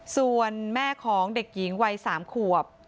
ส่วนแม่ของเด็กหญิงวัย๓ขวบ